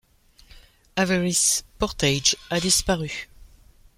Averys Portage a disparu.